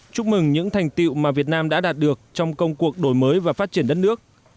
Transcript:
chúc mừng những thành tiệu mà việt nam đã đạt được trong công cuộc đổi mới và phát triển đất nước